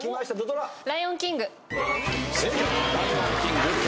『ライオン・キング』